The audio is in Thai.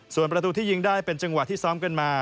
ส่วนประตูที่ยิงได้เป็นจังหวะที่ซ้อมกันมา